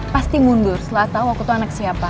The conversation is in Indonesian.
pasti mundur setelah tau aku tuh anak siapa